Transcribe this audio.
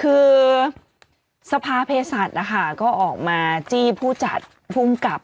คือสภาเพศัตริย์นะคะก็ออกมาจี้ผู้จัดภูมิกับ